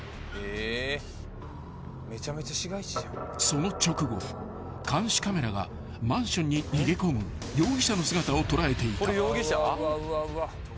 ［その直後監視カメラがマンションに逃げ込む容疑者の姿を捉えていた］